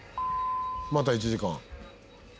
「また１時間」